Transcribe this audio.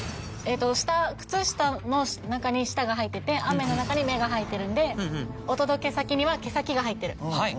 「靴下」の中に「した」が入ってて「雨」の中に「め」が入ってるので「お届け先」には「けさき」が入ってる。